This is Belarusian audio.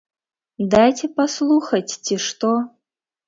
Дайце паслухаць, ці што.